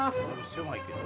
狭いけど。